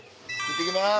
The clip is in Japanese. いってきます。